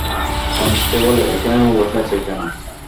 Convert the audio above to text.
Constable, এখানে ও বসে আছ কেন?